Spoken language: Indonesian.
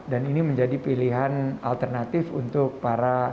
dan ini menjadi pilihan alternatif untuk para wisata